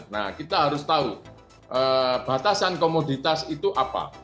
nah kita harus tahu batasan komoditas itu apa